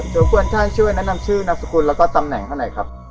เจ้าขวัญท่านช่วยแนะนำชื่อนักษกุลและตำแหน่งเท่าไหร่ครับ